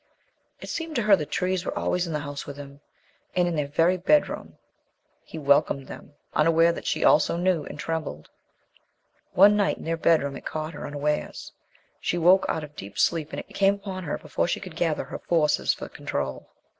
It seemed to her the trees were always in the house with him, and in their very bedroom. He welcomed them, unaware that she also knew, and trembled. One night in their bedroom it caught her unawares. She woke out of deep sleep and it came upon her before she could gather her forces for control.